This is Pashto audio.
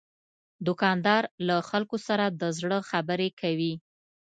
دوکاندار له خلکو سره د زړه خبرې کوي.